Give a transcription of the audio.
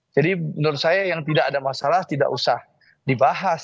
jadi menurut saya yang tidak ada masalah tidak usah dibahas